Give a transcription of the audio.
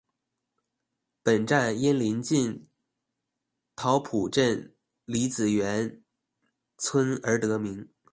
本站因临近桃浦镇李子园村而得名。